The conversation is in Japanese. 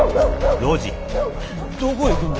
どこへ行くんで？